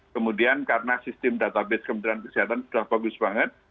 kemudian karena sistem database kementerian kesehatan sudah bagus banget